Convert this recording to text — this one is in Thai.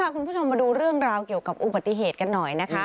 คุณผู้ชมมาดูเรื่องราวเกี่ยวกับอุบัติเหตุกันหน่อยนะคะ